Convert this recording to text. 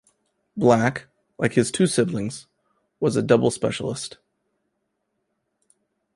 Black, like his two siblings, was a doubles specialist.